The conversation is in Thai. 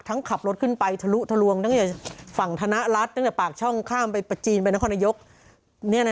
ขับรถขึ้นไปทะลุทะลวงตั้งแต่ฝั่งธนรัฐตั้งแต่ปากช่องข้ามไปประจีนไปนครนายก